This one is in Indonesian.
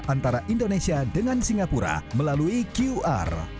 antara indonesia dengan singapura melalui qr